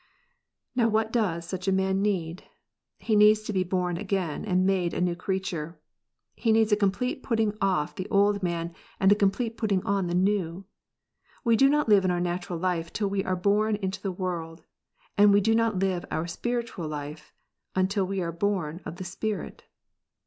I Now what does such a man neecH He needs to be again, and made a new creature. He needs a complete putting f off the old man, and a complete putting on the new. We do not live our natural life till we are born into the world, and M\ J^ do not live our spiritual life till we are born of the Spirit.